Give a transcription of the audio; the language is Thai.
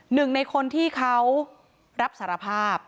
หนึ่งในคนที่เขารับสารภาพ